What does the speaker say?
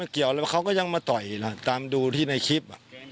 คิดยังไงมาทำร้ายลูกเราก่อน